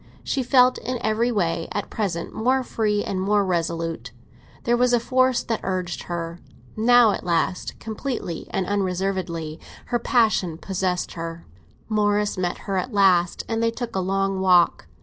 She felt in every way at present more free and more resolute; there was a force that urged her. Now at last, completely and unreservedly, her passion possessed her. Morris met her at last, and they took a long walk.